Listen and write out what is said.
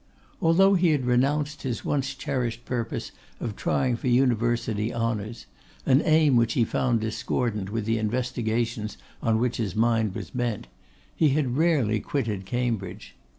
Although he had renounced his once cherished purpose of trying for University honours, an aim which he found discordant with the investigations on which his mind was bent, he had rarely quitted Cambridge.